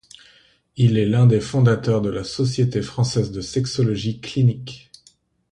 Il est l'un des fondateurs de la Société française de sexologie clinique.